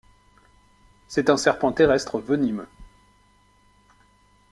C'est un serpent terrestre venimeux.